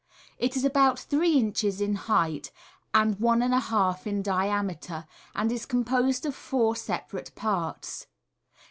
It is about three inches in height, and one and a half in diameter, and is com posed of four separate parts.